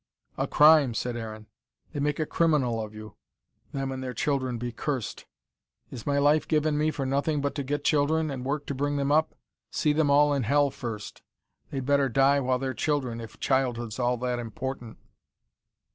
"A crime!" said Aaron. "They make a criminal of you. Them and their children be cursed. Is my life given me for nothing but to get children, and work to bring them up? See them all in hell first. They'd better die while they're children, if childhood's all that important."